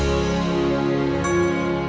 gelap noh masih gelap noh